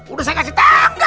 udah saya kasih tangga